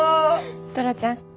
トラちゃん。